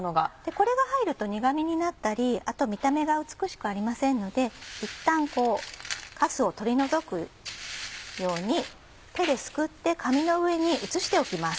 これが入ると苦味になったりあと見た目が美しくありませんのでいったんカスを取り除くように手ですくって紙の上に移しておきます。